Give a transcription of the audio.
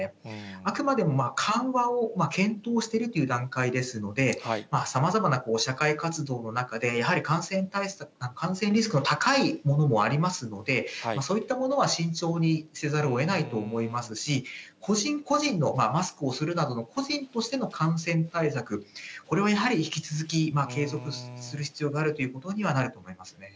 あくまでも緩和を検討しているという段階ですので、さまざまな社会活動の中で、やはり感染リスクが高いものもありますので、そういったものは慎重にせざるをえないと思いますし、個人個人の、マスクをするなどの個人としての感染対策、これはやはり引き続き、継続する必要があるということにはなると思いますね。